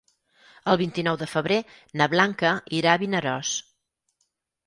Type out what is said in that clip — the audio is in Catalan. El vint-i-nou de febrer na Blanca irà a Vinaròs.